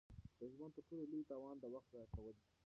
د ژوند تر ټولو لوی تاوان د وخت ضایع کول دي.